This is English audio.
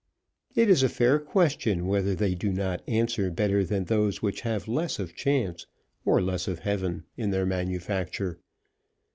It is a fair question whether they do not answer better than those which have less of chance, or less of heaven, in their manufacture.